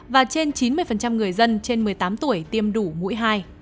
và trên chín mươi người dân trên một mươi tám tuổi tiêm đủ mũi hai